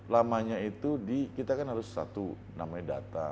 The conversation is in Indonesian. lamanya itu di kita kan harus satu namanya data